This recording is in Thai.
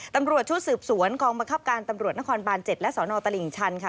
ตำรวจชุดสืบสวนกองบังคับการตำรวจนครบาน๗และสนตลิ่งชันค่ะ